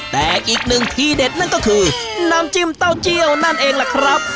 แต่อีกหนึ่งทีเด็ดนั่นก็คือน้ำจิ้มเต้าเจียวนั่นเองล่ะครับ